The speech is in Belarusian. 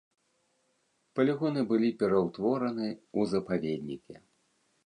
Палігоны былі пераўтвораны ў запаведнікі.